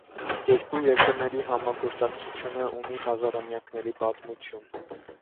Երկու երկրների համագործակցությունը ունի հազարամյակների պատմություն։